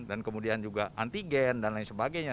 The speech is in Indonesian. dan kemudian juga antigen dan lain sebagainya